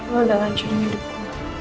lo udah ngancurin hidup gue